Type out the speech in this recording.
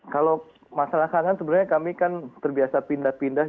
kalau masalah kangen sebenarnya kami kan terbiasa pindah pindah